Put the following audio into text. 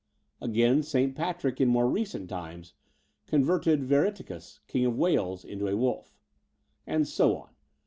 Again, St. Patrick in more recent times converted Vereticus, King of Wales, into a wolf. And so on